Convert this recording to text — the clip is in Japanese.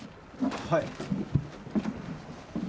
はい。